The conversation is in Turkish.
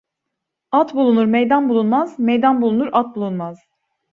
At bulunur meydan bulunmaz, meydan bulunur at bulunmaz.